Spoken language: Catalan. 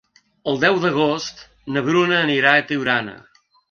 El deu d'agost na Bruna anirà a Tiurana.